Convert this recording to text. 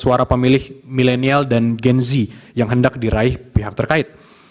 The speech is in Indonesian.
dan juga terhadap suara pemilih milenial dan genzi yang hendak diraih pihak terkait